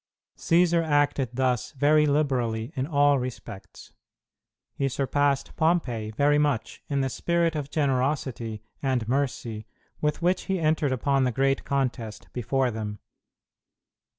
Caesar acted thus very liberally in all respects. He surpassed Pompey very much in the spirit of generosity and mercy with which he entered upon the great contest before them.